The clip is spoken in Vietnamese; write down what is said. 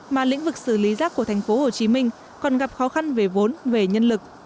mà lĩnh vực xử lý rác của thành phố hồ chí minh còn gặp khó khăn về vốn về nhân lực